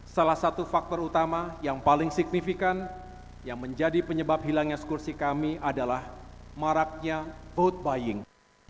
salah satu faktor utama yang paling signifikan yang menjadi penyebab hilangnya sekursi kami adalah maraknya vote buying